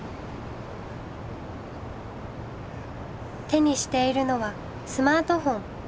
手にしているのはスマートフォン。